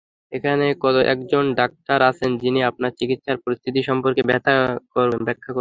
এখানে একজন ডাক্তার আছেন যিনি আপনার চিকিৎসার পরিস্থিতি সম্পর্কে ব্যাখ্যা করবেন।